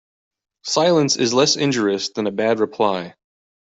Silence is less injurious than a bad reply.